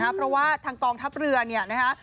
เพราะว่ากองทัพเรือนี่นะ